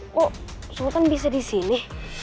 kok sultan bisa di sini